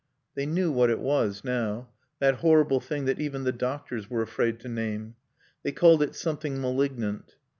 They knew what it was now: that horrible thing that even the doctors were afraid to name. They called it "something malignant."